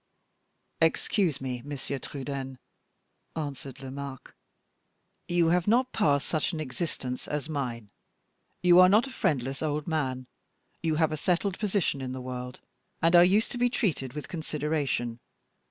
"Excuse me, Monsieur Trudaine," answered Lomaque; "you have not passed such an existence as mine you are not a friendless old man you have a settled position in the world, and are used to be treated with consideration.